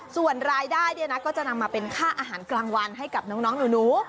ส่วนรายได้เนี่ยนะก็จะนำมาเป็นค่าอาหารกลางวันให้กับน้องหนู